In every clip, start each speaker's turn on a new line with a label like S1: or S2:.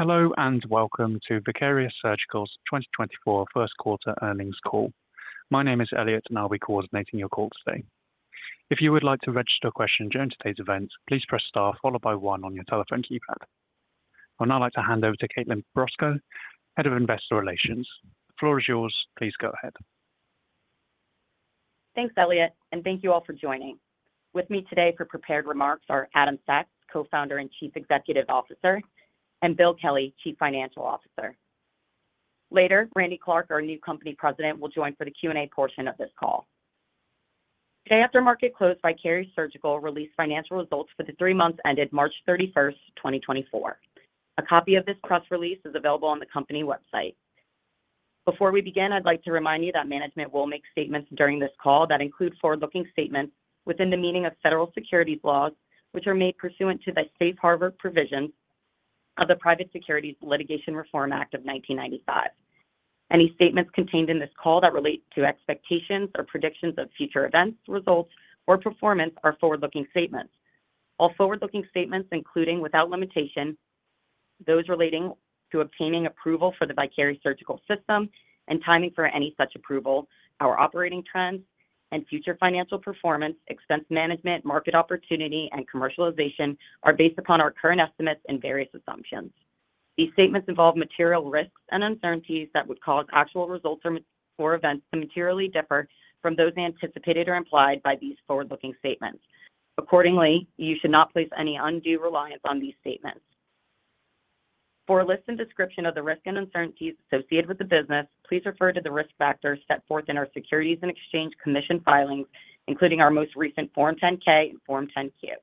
S1: Hello, and welcome to Vicarious Surgical's 2024 first quarter earnings call. My name is Elliot, and I'll be coordinating your call today. If you would like to register a question during today's event, please press star followed by one on your telephone keypad. I'd now like to hand over to Kaitlyn Brosco, Head of Investor Relations. The floor is yours. Please go ahead.
S2: Thanks, Elliot, and thank you all for joining. With me today for prepared remarks are Adam Sachs, Co-founder and Chief Executive Officer, and Bill Kelly, Chief Financial Officer. Later, Randy Clark, our new Company President, will join for the Q&A portion of this call. Today, after market close, Vicarious Surgical released financial results for the three months ended March 31, 2024. A copy of this press release is available on the company website. Before we begin, I'd like to remind you that management will make statements during this call that include forward-looking statements within the meaning of federal securities laws, which are made pursuant to the Safe Harbor provision of the Private Securities Litigation Reform Act of 1995. Any statements contained in this call that relate to expectations or predictions of future events, results, or performance are forward-looking statements. All forward-looking statements, including without limitation, those relating to obtaining approval for the Vicarious Surgical System and timing for any such approval, our operating trends and future financial performance, expense management, market opportunity, and commercialization, are based upon our current estimates and various assumptions. These statements involve material risks and uncertainties that would cause actual results or events to materially differ from those anticipated or implied by these forward-looking statements. Accordingly, you should not place any undue reliance on these statements. For a list and description of the risks and uncertainties associated with the business, please refer to the risk factors set forth in our Securities and Exchange Commission filings, including our most recent Form 10-K and Form 10-Q.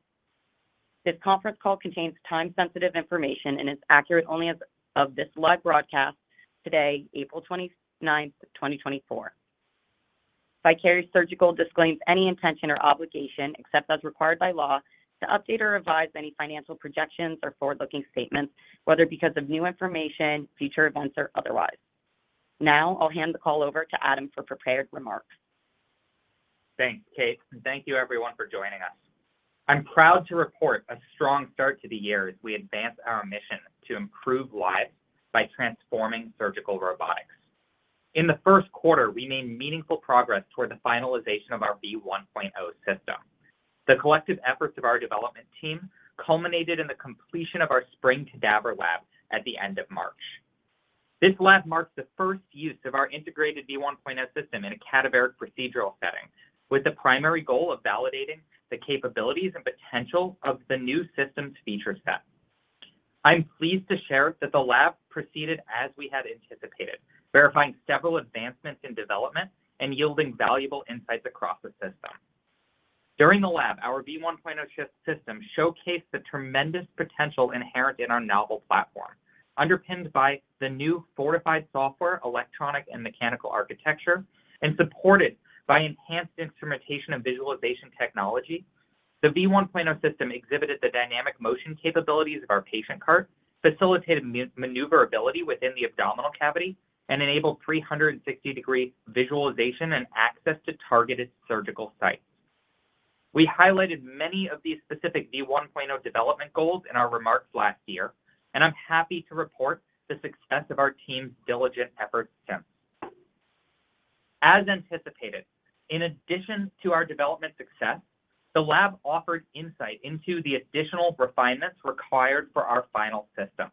S2: This conference call contains time-sensitive information and is accurate only as of this live broadcast today, April 29, 2024. Vicarious Surgical disclaims any intention or obligation, except as required by law, to update or revise any financial projections or forward-looking statements, whether because of new information, future events, or otherwise. Now, I'll hand the call over to Adam for prepared remarks.
S3: Thanks, Kate, and thank you everyone for joining us. I'm proud to report a strong start to the year as we advance our mission to improve lives by transforming surgical robotics. In the first quarter, we made meaningful progress toward the finalization of our V1.0 system. The collective efforts of our development team culminated in the completion of our spring cadaver lab at the end of March. This lab marks the first use of our integrated V1.0 system in a cadaveric procedural setting, with the primary goal of validating the capabilities and potential of the new system's feature set. I'm pleased to share that the lab proceeded as we had anticipated, verifying several advancements in development and yielding valuable insights across the system. During the lab, our V1.0 system showcased the tremendous potential inherent in our novel platform. Underpinned by the new fortified software, electronic, and mechanical architecture, and supported by enhanced instrumentation and visualization technology, the V1.0 system exhibited the dynamic motion capabilities of our patient cart, facilitated maneuverability within the abdominal cavity, and enabled 360-degree visualization and access to targeted surgical sites. We highlighted many of these specific V1.0 development goals in our remarks last year, and I'm happy to report the success of our team's diligent efforts since. As anticipated, in addition to our development success, the lab offered insight into the additional refinements required for our final system.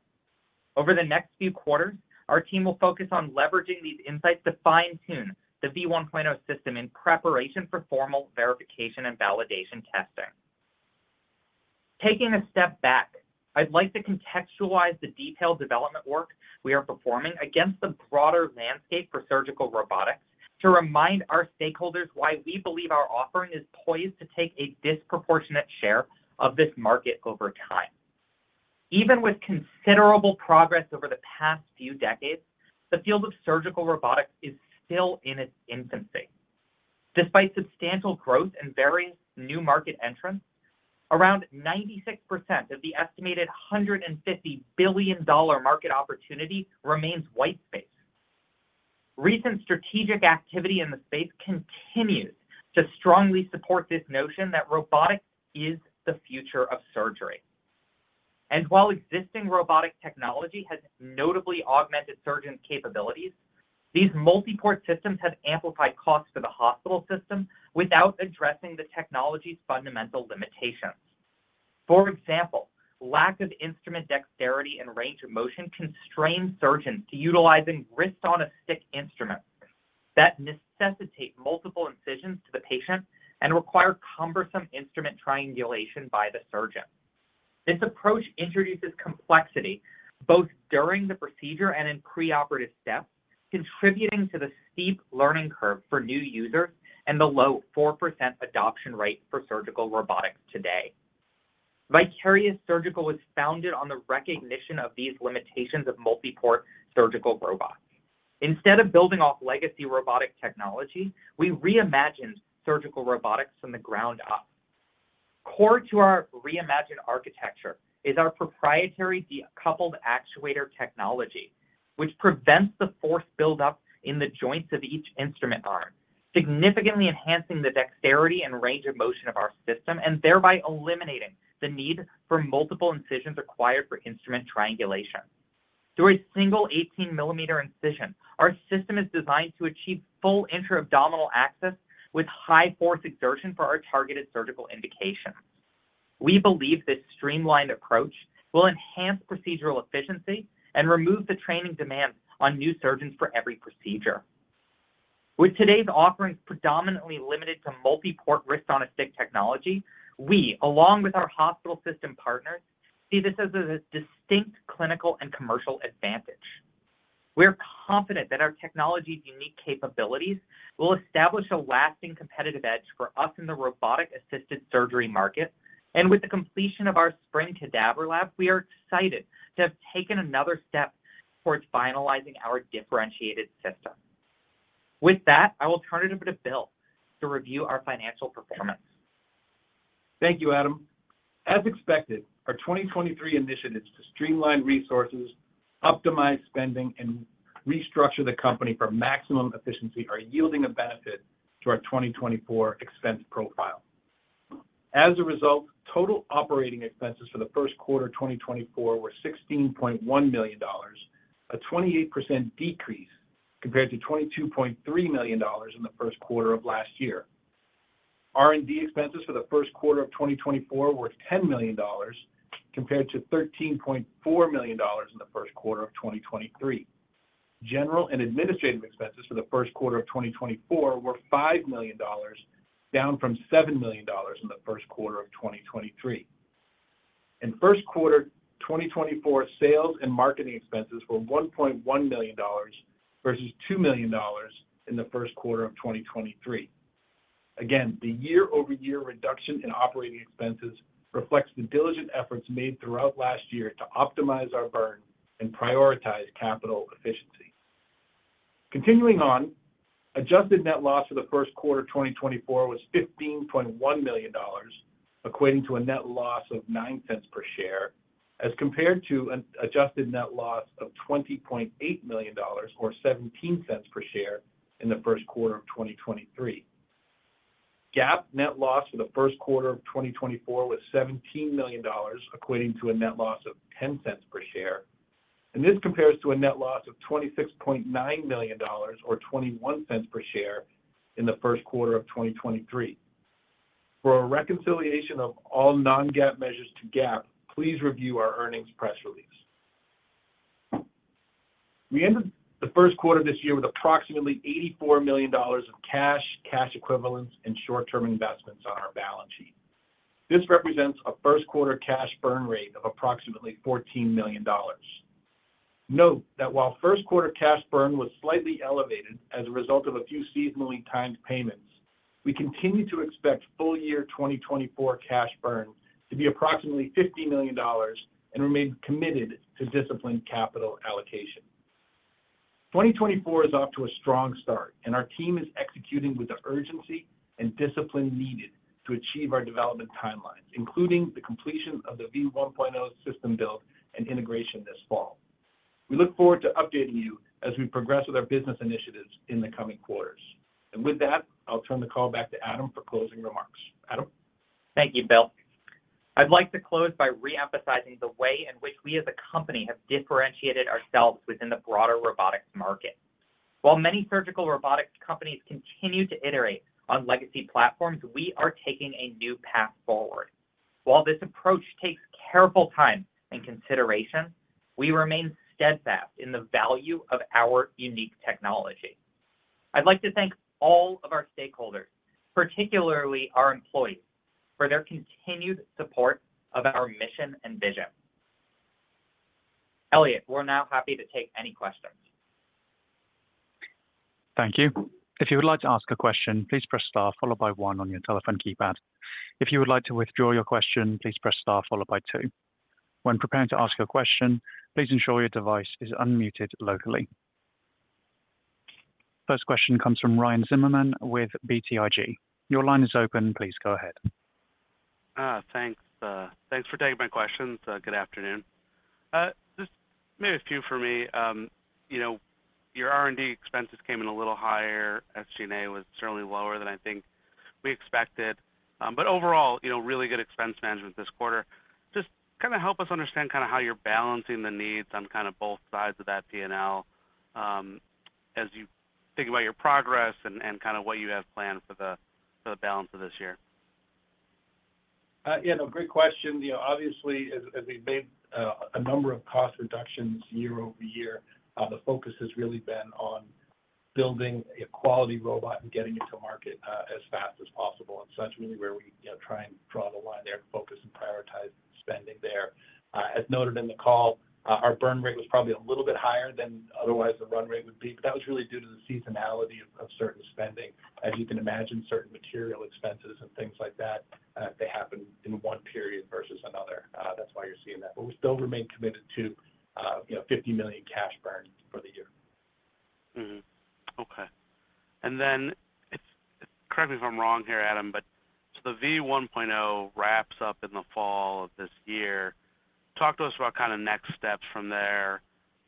S3: Over the next few quarters, our team will focus on leveraging these insights to fine-tune the V1.0 system in preparation for formal verification and validation testing. Taking a step back, I'd like to contextualize the detailed development work we are performing against the broader landscape for surgical robotics, to remind our stakeholders why we believe our offering is poised to take a disproportionate share of this market over time. Even with considerable progress over the past few decades, the field of surgical robotics is still in its infancy. Despite substantial growth and varying new market entrants, around 96% of the estimated $150 billion market opportunity remains white space. Recent strategic activity in the space continues to strongly support this notion that robotics is the future of surgery. While existing robotic technology has notably augmented surgeon capabilities, these multi-port systems have amplified costs to the hospital system without addressing the technology's fundamental limitations. For example, lack of instrument dexterity and range of motion constrain surgeons to utilizing wrist-on-a-stick instruments that necessitate multiple incisions to the patient and require cumbersome instrument triangulation by the surgeon. This approach introduces complexity, both during the procedure and in preoperative steps, contributing to the steep learning curve for new users and the low 4% adoption rate for surgical robotics today. Vicarious Surgical was founded on the recognition of these limitations of multi-port surgical robots. Instead of building off legacy robotic technology, we reimagined surgical robotics from the ground up. Core to our reimagined architecture is our proprietary decoupled actuator technology... which prevents the force buildup in the joints of each instrument arm, significantly enhancing the dexterity and range of motion of our system, and thereby eliminating the need for multiple incisions required for instrument triangulation. Through a single 18-millimeter incision, our system is designed to achieve full intra-abdominal access with high force exertion for our targeted surgical indication. We believe this streamlined approach will enhance procedural efficiency and remove the training demands on new surgeons for every procedure. With today's offerings predominantly limited to multi-port wrist-on-a-stick technology, we, along with our hospital system partners, see this as a distinct clinical and commercial advantage. We're confident that our technology's unique capabilities will establish a lasting competitive edge for us in the robotic-assisted surgery market. With the completion of our spring cadaver lab, we are excited to have taken another step towards finalizing our differentiated system. With that, I will turn it over to Bill to review our financial performance.
S4: Thank you, Adam. As expected, our 2023 initiatives to streamline resources, optimize spending, and restructure the company for maximum efficiency are yielding a benefit to our 2024 expense profile. As a result, total operating expenses for the first quarter of 2024 were $16.1 million, a 28% decrease compared to $22.3 million in the first quarter of last year. R&D expenses for the first quarter of 2024 were $10 million, compared to $13.4 million in the first quarter of 2023. General and administrative expenses for the first quarter of 2024 were $5 million, down from $7 million in the first quarter of 2023. In first quarter, 2024, sales and marketing expenses were $1.1 million, versus $2 million in the first quarter of 2023. Again, the year-over-year reduction in operating expenses reflects the diligent efforts made throughout last year to optimize our burn and prioritize capital efficiency. Continuing on, adjusted net loss for the first quarter of 2024 was $15.1 million, equating to a net loss of $0.09 per share, as compared to an adjusted net loss of $20.8 million, or $0.17 per share, in the first quarter of 2023. GAAP net loss for the first quarter of 2024 was $17 million, equating to a net loss of $0.10 per share. This compares to a net loss of $26.9 million, or $0.21 per share, in the first quarter of 2023. For a reconciliation of all non-GAAP measures to GAAP, please review our earnings press release. We ended the first quarter this year with approximately $84 million of cash, cash equivalents, and short-term investments on our balance sheet. This represents a first-quarter cash burn rate of approximately $14 million. Note that while first-quarter cash burn was slightly elevated as a result of a few seasonally timed payments, we continue to expect full-year 2024 cash burn to be approximately $50 million and remain committed to disciplined capital allocation. 2024 is off to a strong start, and our team is executing with the urgency and discipline needed to achieve our development timelines, including the completion of the V1.0 system build and integration this fall. We look forward to updating you as we progress with our business initiatives in the coming quarters. And with that, I'll turn the call back to Adam for closing remarks. Adam?
S3: Thank you, Bill. I'd like to close by re-emphasizing the way in which we as a company have differentiated ourselves within the broader robotics market. While many surgical robotics companies continue to iterate on legacy platforms, we are taking a new path forward. While this approach takes careful time and consideration, we remain steadfast in the value of our unique technology. I'd like to thank all of our stakeholders, particularly our employees, for their continued support of our mission and vision. Elliot, we're now happy to take any questions.
S1: Thank you. If you would like to ask a question, please press star followed by one on your telephone keypad. If you would like to withdraw your question, please press star followed by two. When preparing to ask a question, please ensure your device is unmuted locally. First question comes from Ryan Zimmerman with BTIG. Your line is open. Please go ahead.
S5: Thanks, thanks for taking my questions. Good afternoon. Just maybe a few for me. You know, your R&D expenses came in a little higher. SG&A was certainly lower than I think we expected. But overall, you know, really good expense management this quarter. Just kinda help us understand kinda how you're balancing the needs on kind of both sides of that P&L, as you think about your progress and, and kind of what you have planned for the, for the balance of this year.
S4: Yeah, no, great question. You know, obviously, as we've made a number of cost reductions year-over-year, the focus has really been on building a quality robot and getting it to market as fast as possible. And so that's really where we, you know, try and draw the line there and focus and prioritize spending there. As noted in the call, our burn rate was probably a little bit higher than otherwise the run rate would be, but that was really due to the seasonality of certain spending. As you can imagine, certain material expenses and things like that, they happen in one period versus another. That's why you're seeing that. But we still remain committed to, you know, $50 million cash burn for the-...
S5: Mm-hmm. Okay. And then if, correct me if I'm wrong here, Adam, but so the V1.0 wraps up in the fall of this year. Talk to us about kind of next steps from there,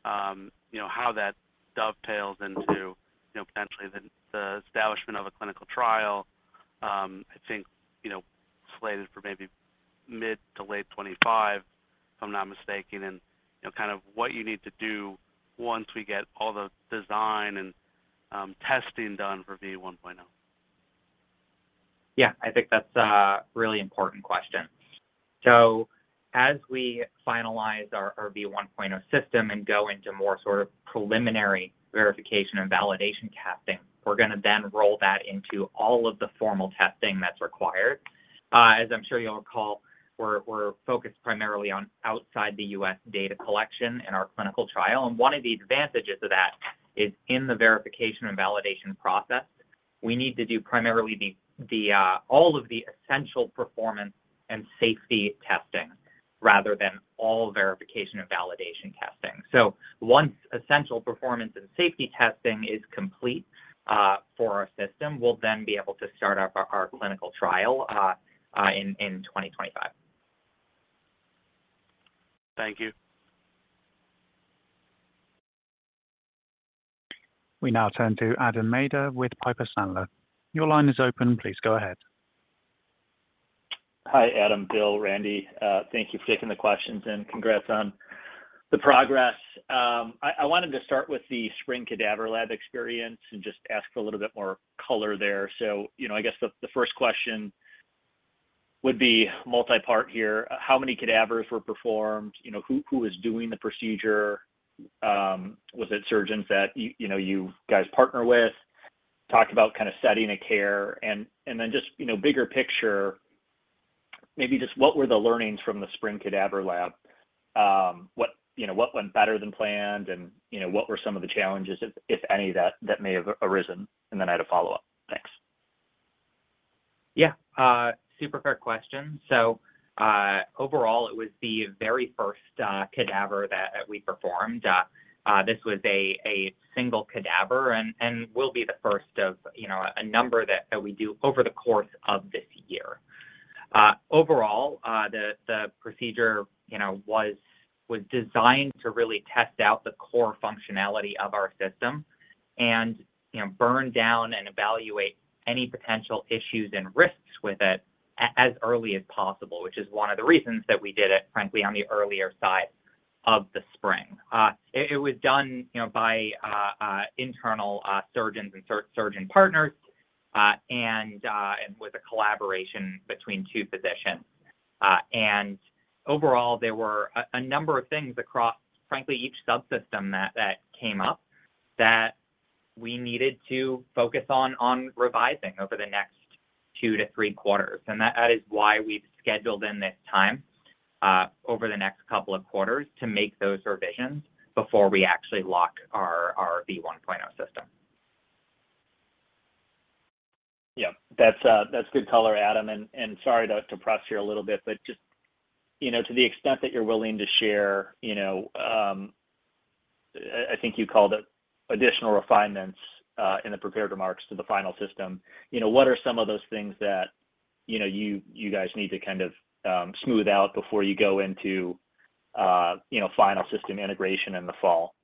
S5: you know, how that dovetails into, you know, potentially the, the establishment of a clinical trial. I think, you know, slated for maybe mid- to late-2025, if I'm not mistaken, and, you know, kind of what you need to do once we get all the design and, testing done for V1.0.
S3: Yeah, I think that's a really important question. So as we finalize our V1.0 system and go into more sort of preliminary verification and validation testing, we're going to then roll that into all of the formal testing that's required. As I'm sure you'll recall, we're focused primarily on outside the U.S. data collection in our clinical trial, and one of the advantages of that is in the verification and validation process, we need to do primarily all of the essential performance and safety testing rather than all verification and validation testing. So once essential performance and safety testing is complete, for our system, we'll then be able to start up our clinical trial in 2025.
S5: Thank you.
S1: We now turn to Adam Maeder with Piper Sandler. Your line is open. Please go ahead.
S6: Hi, Adam, Bill, Randy. Thank you for taking the questions, and congrats on the progress. I wanted to start with the spring cadaver lab experience and just ask a little bit more color there. So, you know, I guess the first question would be multipart here. How many cadavers were performed? You know, who was doing the procedure? Was it surgeons that you know, you guys partner with? Talk about kind of setting a care and then just, you know, bigger picture, maybe just what were the learnings from the spring cadaver lab? What, you know, what went better than planned, and, you know, what were some of the challenges, if any, that may have arisen? And then I had a follow-up. Thanks.
S3: Yeah, super fair question. So, overall, it was the very first cadaver that we performed. This was a single cadaver and will be the first of, you know, a number that we do over the course of this year. Overall, the procedure, you know, was designed to really test out the core functionality of our system and, you know, burn down and evaluate any potential issues and risks with it as early as possible, which is one of the reasons that we did it, frankly, on the earlier side of the spring. It was done, you know, by internal surgeons and surgeon partners, and with a collaboration between two physicians. and overall, there were a number of things across, frankly, each subsystem that came up that we needed to focus on revising over the next 2-3 quarters. And that is why we've scheduled in this time over the next couple of quarters to make those revisions before we actually lock our V1.0 system.
S6: Yeah, that's, that's good color, Adam. And sorry to press here a little bit, but just, you know, to the extent that you're willing to share, you know, I think you called it additional refinements in the prepared remarks to the final system. You know, what are some of those things that, you know, you guys need to kind of smooth out before you go into, you know, final system integration in the fall?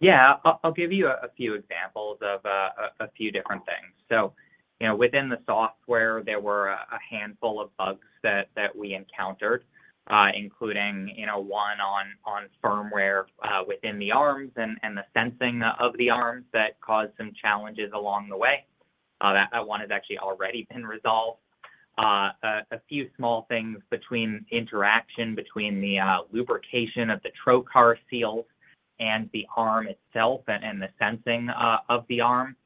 S3: Yeah. I'll give you a few examples of a few different things. So, you know, within the software, there were a handful of bugs that we encountered, including, you know, one on firmware within the arms and the sensing of the arms that caused some challenges along the way. That one has actually already been resolved. A few small things between interaction between the lubrication of the trocar seal and the arm itself and the sensing of the arm.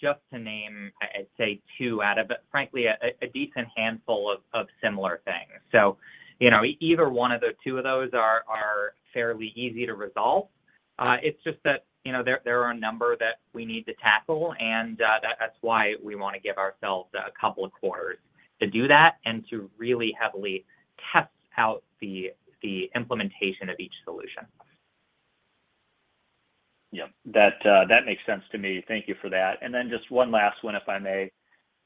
S3: Just to name, I'd say, two out of—but frankly, a decent handful of similar things. So, you know, either one of the two of those are fairly easy to resolve. It's just that, you know, there are a number that we need to tackle, and that's why we want to give ourselves a couple of quarters to do that and to really heavily test out the implementation of each solution.
S6: Yeah, that, that makes sense to me. Thank you for that. And then just one last one, if I may,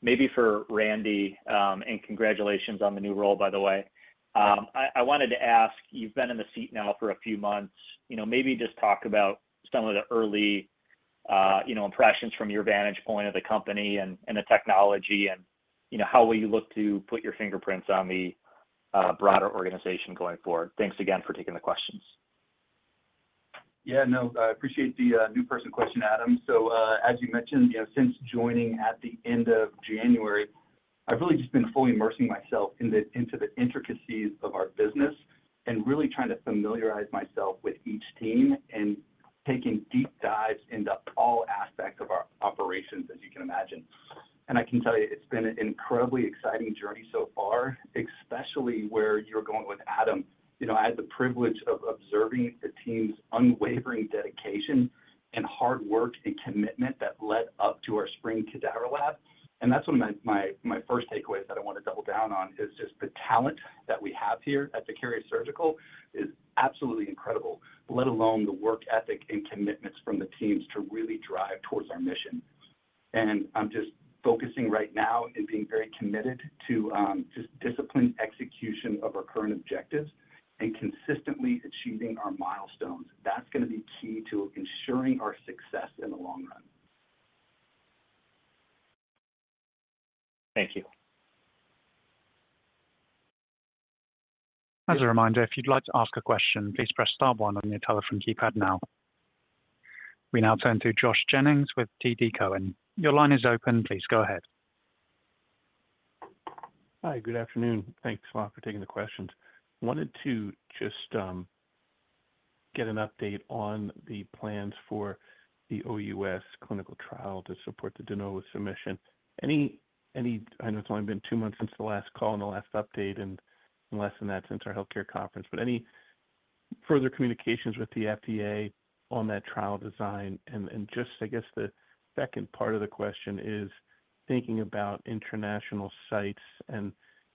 S6: maybe for Randy, and congratulations on the new role, by the way. I wanted to ask, you've been in the seat now for a few months, you know, maybe just talk about some of the early, you know, impressions from your vantage point of the company and, and the technology and, you know, how will you look to put your fingerprints on the, broader organization going forward. Thanks again for taking the questions.
S7: Yeah, no, I appreciate the new person question, Adam. So, as you mentioned, you know, since joining at the end of January, I've really just been fully immersing myself into the intricacies of our business and really trying to familiarize myself with each team and taking deep dives into all aspects of our operations, as you can imagine. And I can tell you, it's been an incredibly exciting journey so far, especially where you're going with Adam. You know, I had the privilege of observing the team's unwavering dedication and hard work and commitment that led up to our spring cadaver lab. And that's one of my first takeaways that I want to double down on, is just the talent that we have here at Vicarious Surgical is absolutely incredible. Let alone the work ethic and commitments from the teams to really drive towards our mission. I'm just focusing right now and being very committed to just disciplined execution of our current objectives and consistently achieving our milestones. That's going to be key to ensuring our success in the long run.
S3: Thank you.
S1: As a reminder, if you'd like to ask a question, please press star one on your telephone keypad now. We now turn to Josh Jennings with TD Cowen. Your line is open. Please go ahead.
S8: Hi, good afternoon. Thanks a lot for taking the questions. Wanted to just get an update on the plans for the OUS clinical trial to support the de novo submission. Any—I know it's only been two months since the last call and the last update, and less than that since our healthcare conference, but any further communications with the FDA on that trial design? And just, I guess, the second part of the question is, thinking about international sites, and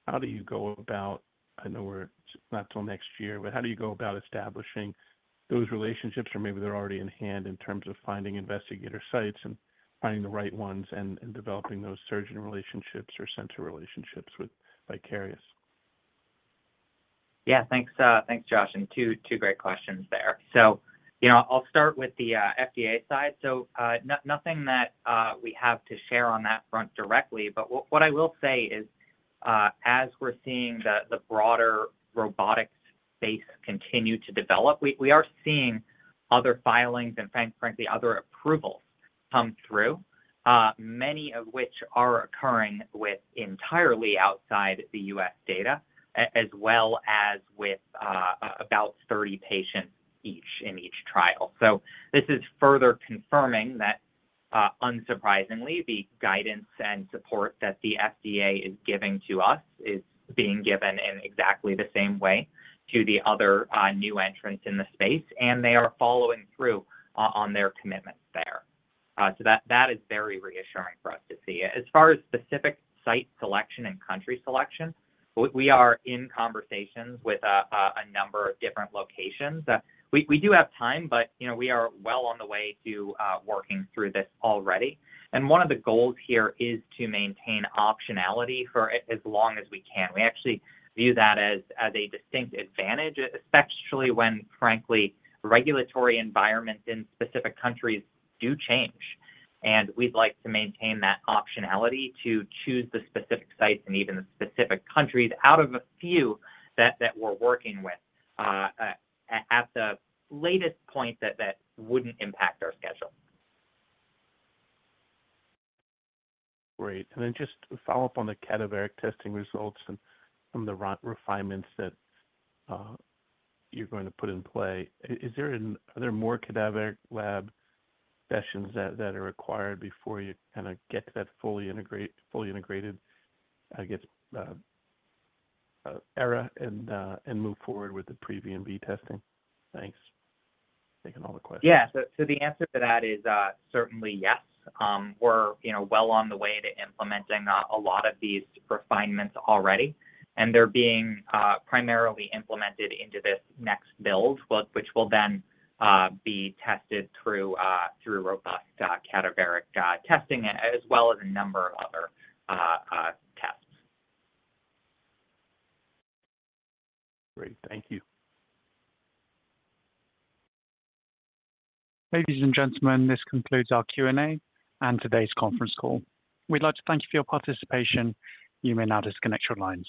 S8: how do you go about... I know we're not till next year, but how do you go about establishing those relationships? Or maybe they're already in hand in terms of finding investigator sites and finding the right ones and developing those surgeon relationships or center relationships with Vicarious.
S3: Yeah, thanks, thanks, Josh. And two great questions there. So you know, I'll start with the FDA side. So, nothing that we have to share on that front directly, but what I will say is, as we're seeing the broader robotics space continue to develop, we are seeing other filings and frankly, other approvals come through. Many of which are occurring with data entirely outside the U.S., as well as with about 30 patients each in each trial. So this is further confirming that, unsurprisingly, the guidance and support that the FDA is giving to us is being given in exactly the same way to the other new entrants in the space, and they are following through on their commitments there. So that is very reassuring for us to see. As far as specific site selection and country selection, we are in conversations with a number of different locations. We do have time, but, you know, we are well on the way to working through this already. And one of the goals here is to maintain optionality for as long as we can. We actually view that as a distinct advantage, especially when, frankly, regulatory environments in specific countries do change. And we'd like to maintain that optionality to choose the specific sites and even the specific countries out of a few that we're working with, at the latest point that wouldn't impact our schedule.
S8: Great. And then just to follow up on the cadaveric testing results and some of the re-refinements that you're going to put in play. Are there more cadaveric lab sessions that are required before you kind of get to that fully integrate, fully integrated, I guess, era and move forward with the pre-B and B testing? Thanks. Taking all the questions.
S3: Yeah. So the answer to that is, certainly yes. We're, you know, well on the way to implementing a lot of these refinements already, and they're being primarily implemented into this next build, which will then be tested through robust cadaveric testing, as well as a number of other tests.
S8: Great. Thank you.
S1: Ladies and gentlemen, this concludes our Q&A and today's conference call. We'd like to thank you for your participation. You may now disconnect your lines.